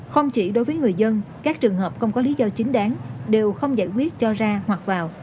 không chỉ đối với người dân các trường hợp không có lý do chính đáng đều không giải quyết cho ra hoặc vào